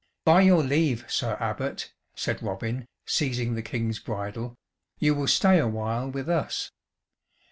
"By your leave, Sir Abbot," said Robin, seizing the King's bridle, "you will stay a while with us.